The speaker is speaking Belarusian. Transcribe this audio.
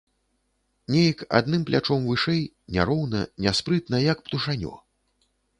Нейк адным плячом вышэй, няроўна, няспрытна, як птушанё.